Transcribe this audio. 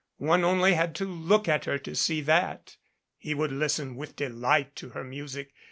One only had to look at her to see that. He would lis ten with delight to her music.